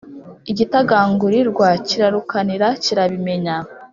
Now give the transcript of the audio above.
igitagangurirwa kirarukanira kirabimenya